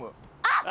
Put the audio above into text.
あっ！